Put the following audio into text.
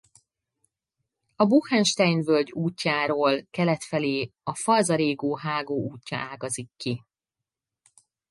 A Buchenstein-völgy útjáról kelet felé a Falzarego-hágó útja ágazik ki.